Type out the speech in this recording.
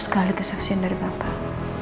sekali kesaksian dari bapak